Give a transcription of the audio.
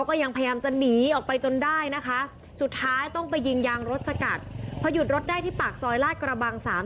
คุณผู้ชมมีคลิปให้ดูกันด้วยค่ะ